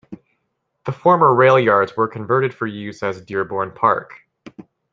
The former rail yards were converted for use as Dearborn Park.